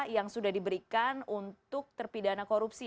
yang sudah diberikan untuk terpidana korupsi